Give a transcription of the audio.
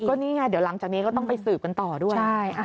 ก็นี่ไงเดี๋ยวหลังจากนี้ก็ต้องไปสืบกันต่อด้วย